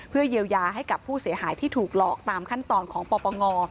เพื่อเยียวยาให้กับผู้เสียหายที่ถูกหลอกตามขั้นตอนของปปง